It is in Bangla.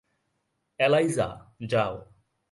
এলাইজা, যাও।